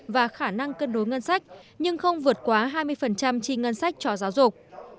và khả năng cân đối ngân sách nhưng không vượt quá hai mươi chi ngân sách cho giáo dục